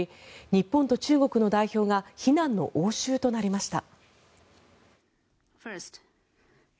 日本と中国の代表が非難の応酬となりました。